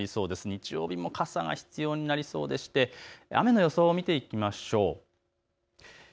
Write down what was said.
日曜日も傘が必要になりそうでして雨の予想を見ていきましょう。